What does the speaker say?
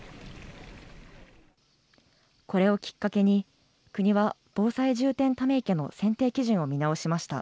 これをきっかけに、国は防災重点ため池の選定基準を見直しました。